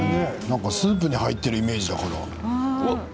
スープに入っているイメージだから。